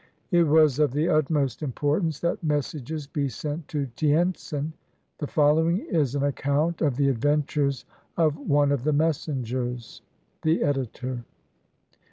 It was of the utmost importance that messages be sent to Tientsin. The following is an account of the adventures of one of the messengers. The Editor.